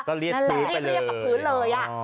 ต้องเรียกพื้นไปเลยต้องเรียกกับพื้นเลย